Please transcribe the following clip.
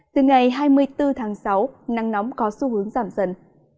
từ ngày hai mươi bốn tháng sáu nắng nóng có xu hướng giảm dần